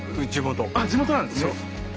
あっ地元なんですね！